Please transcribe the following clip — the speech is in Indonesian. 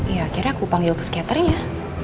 ya akhirnya aku panggil psikiaternya